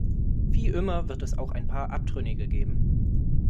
Wie immer wird es auch ein paar Abtrünnige geben.